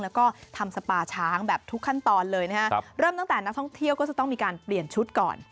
แล้วก็ทำสปาช้างแบบทุกขั้นตอนเลยนะครับเริ่มตั้งแต่นักท่องเที่ยวก็จะต้องมีการเปลี่ยนชุดก่อน